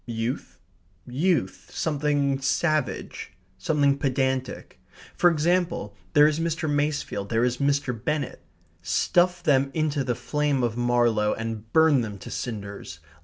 Youth, youth something savage something pedantic. For example, there is Mr. Masefield, there is Mr. Bennett. Stuff them into the flame of Marlowe and burn them to cinders.